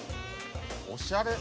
おしゃれ。